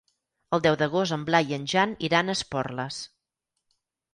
El deu d'agost en Blai i en Jan iran a Esporles.